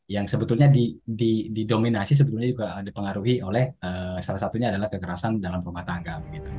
yang sebetulnya didominasi sebetulnya juga dipengaruhi oleh salah satunya adalah kekerasan dalam rumah tangga